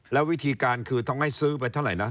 แล้ววิธีการคือต้องให้ซื้อไปเท่าไหร่นะ